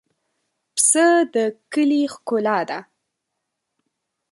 پسه د کلي ښکلا ده.